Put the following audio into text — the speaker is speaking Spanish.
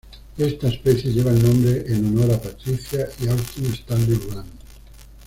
Esta especie lleva el nombre en honor a Patricia y Austin Stanley Rand.